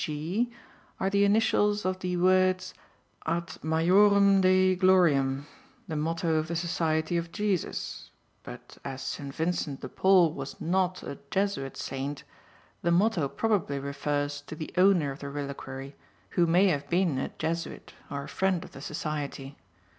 D.G., are the initials of the words Ad Majorem Dei Gloriam the motto of the Society of Jesus. But as St. Vincent de Paul was not a Jesuit saint, the motto probably refers to the owner of the reliquary, who may have been a Jesuit or a friend of the Society.